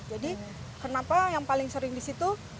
jadi kenapa yang paling sering disitu